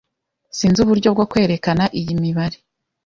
Sinzi uburyo bwo kwerekana iyi mibare.